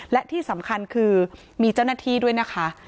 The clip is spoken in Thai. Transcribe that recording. และที่สำคัญคือมีเจ้าหน้าที่ด้วยนะคะ